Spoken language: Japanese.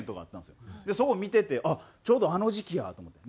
それ見ててちょうどあの時期やと思って。